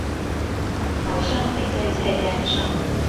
好像沒在菜單上